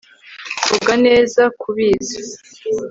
vuga neza kubizi